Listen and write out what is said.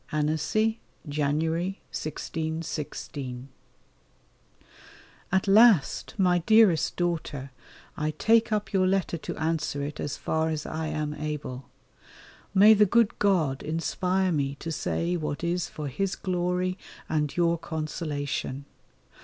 ANNECY, January, 1616. At last, my dearest daughter, I take up your letter to answer it as far as I am able. May the good God inspire me to say what is for His glory and your consolation.